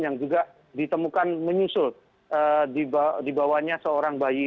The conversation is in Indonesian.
yang juga ditemukan menyusul dibawanya seorang bayi